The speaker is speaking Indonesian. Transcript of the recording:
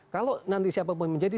kalau nanti siapapun menjadi